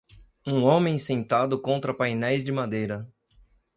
Um homem sentado contra painéis de madeira.